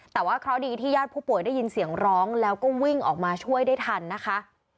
แต่ว่าเคราะห์ดีที่ญาติผู้ป่วยได้ยินเสียงร้องแล้วก็วิ่งออกมาช่วยได้ทันนะคะ